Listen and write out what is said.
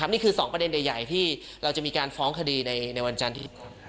นี้คือสองประเด็นใหญ่ที่จะมีการฟ้องคดีในวันจันทร์